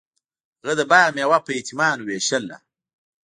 هغه د باغ میوه په یتیمانو ویشله.